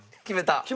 決めた。